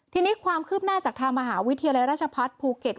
ทีนี้ความคืบหน้าจากทางมหาวิทยาลัยราชพัฒน์ภูเก็ต